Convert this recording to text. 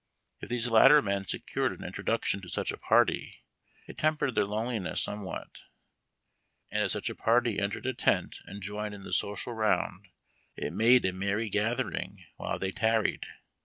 If these latter men secured an introduction to such a party, it tempered their loneliness somewhat. And if such a party entered a tent, and joined in the social round, it made a merry gathering while they tarried.